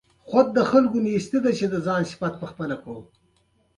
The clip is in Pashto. آبادۍ ته یې زلمي لټوم ، چېرې ؟